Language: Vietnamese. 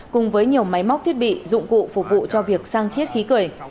cùng với nhiều máy móc thiết bị dụng cụ phục vụ cho việc sang chiết khí cười